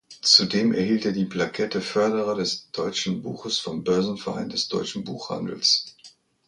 Zudem erhielt er die Plakette Förderer des deutschen Buches vom Börsenverein des Deutschen Buchhandels.